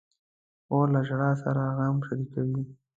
خور له ژړا سره غم شریکوي.